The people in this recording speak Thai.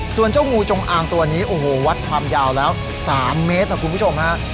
ส่วนเจ้างูจงอางตัวนี้โอ้โหวัดความยาวแล้ว๓เมตรนะคุณผู้ชมฮะ